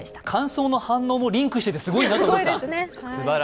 感想の反応もリンクしていてすごいなと思いました。